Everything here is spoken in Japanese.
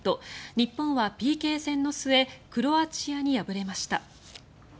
日本はＰＫ戦の末クロアチアに敗れました。